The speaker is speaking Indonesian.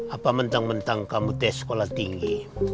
apa mentang mentang kamu tes sekolah tinggi